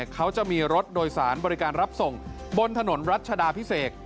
เขาจะมีรถโดยสารบริการรับส่งบนถนนรัชดาพิเศษ